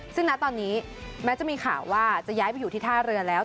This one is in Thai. ซึ่งณตอนนี้แม้จะมีข่าวว่าจะย้ายไปอยู่ที่ท่าเรือแล้ว